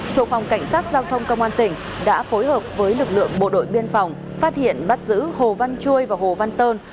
thuộc phòng cảnh sát giao thông công an tỉnh đã phối hợp với lực lượng bộ đội biên phòng phát hiện bắt giữ hồ văn chuôi và hồ văn tơn